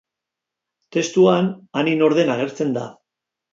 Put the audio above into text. Testuan, Ani nor den agertzen da.